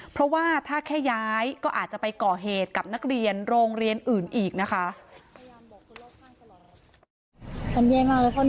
เพราะว่าถ้าแค่ย้ายก็อาจจะไปก่อเหตุกับนักเรียนโรงเรียนอื่นอีกนะคะ